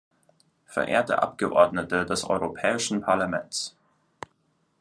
Verehrte Abgeordnete des Europäischen Parlaments!